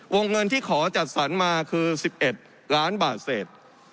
เงินที่ขอจัดสรรมาคือ๑๑ล้านบาทเศษ